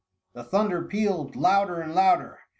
The thunder pealed louder and louder.